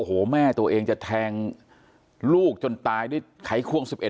โอ้โหแม่ตัวเองจะแทงลูกจนตายด้วยไขควง๑๑